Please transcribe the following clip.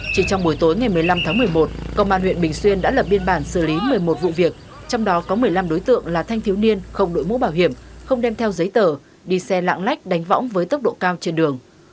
chỉ trong buổi tối ngày một mươi năm tháng một mươi một công an huyện bình xuyên đã lập biên bản xử lý một mươi một vụ việc trong đó có một mươi năm đối tượng là thanh thiếu niên không đội mũ bảo hiểm không đem theo giấy tờ đi xe lạng lách đánh võng với tốc độ cao trên đường